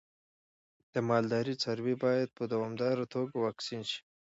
د مالدارۍ څاروی باید په دوامداره توګه واکسین شي.